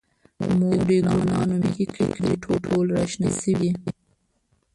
مورې، ګلانو مې څوکې کړي، ټول را شنه شوي دي.